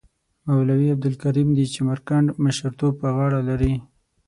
مولوی عبدالکریم د چمرکنډ مشرتوب پر غاړه لري.